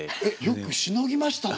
よくしのぎましたね。